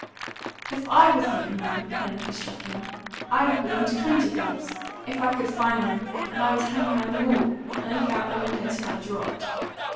"If I was a young man," Penelope struck in, "I would belong to twenty clubs, if I could find them and I would hang around them all, and look out the window till I dropped."